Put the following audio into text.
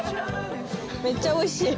めっちゃおいしい。